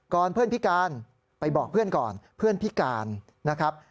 เพื่อนพิการไปบอกเพื่อนก่อนเพื่อนพิการนะครับ